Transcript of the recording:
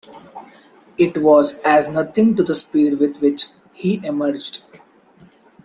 It was as nothing to the speed with which he emerged.